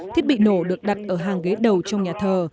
thiết bị nổ được đặt ở hàng ghế đầu trong nhà thờ